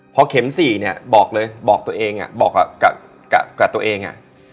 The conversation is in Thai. พอเข็ม๔บอกเลยบอกกับตัวเอง